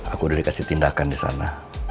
aku udah dikasih tindakan disana